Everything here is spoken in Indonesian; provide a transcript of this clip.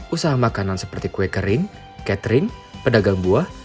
usaha makanan seperti kue kering catering pedagang buah